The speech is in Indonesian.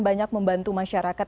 banyak membantu masyarakat